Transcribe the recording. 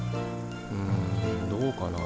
んどうかな。